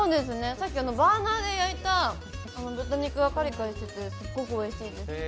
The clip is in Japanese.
さっきバーナ−で焼いた豚肉がカリカリしていてすっごくおいしいです。